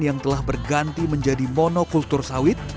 yang telah berganti menjadi monokultur sawit